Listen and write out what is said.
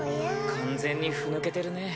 完全にふぬけてるね。